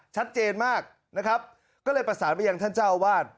ชัดเจนมากนะครับก็เลยประสานไปยังท่านเจ้าอาวาส